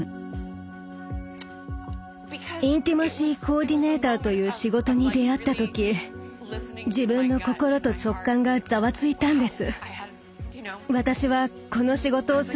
インティマシー・コーディネーターという仕事に出会った時自分の心と直感がざわついたんです。